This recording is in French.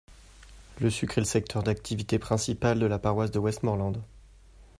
Le sucre est le secteur d'activité principal de la paroisse de Westmoreland.